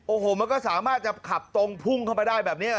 โอ้โหมันก็สามารถจะขับตรงพุ่งเข้ามาได้แบบนี้